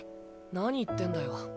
何言ってんだよ。